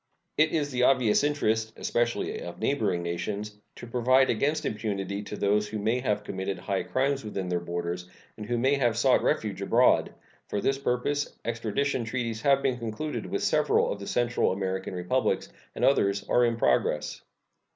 It is the obvious interest, especially of neighboring nations, to provide against impunity to those who may have committed high crimes within their borders and who may have sought refuge abroad. For this purpose extradition treaties have been concluded with several of the Central American Republics, and others are in progress.